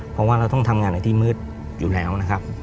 เพราะว่าเราต้องทำงานในที่มืดอยู่แล้วนะครับ